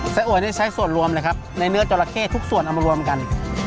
อวยนี่ใช้ส่วนรวมเลยครับในเนื้อจราเข้ทุกส่วนเอามารวมกัน